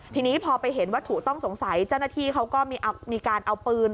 ทีนี้พอไปเห็นวัตถุต้องสงสัยเจ้าหน้าที่เขาก็มีการเอาปืน